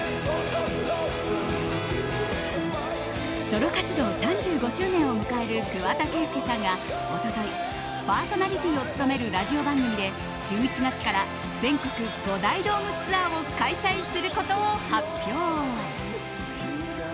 ソロ活動３５周年を迎える桑田佳祐さんが一昨日パーソナリティーを務めるラジオ番組で１１月から全国５大ドームツアーを開催することを発表。